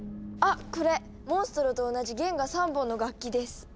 あっこれモンストロと同じ弦が３本の楽器です。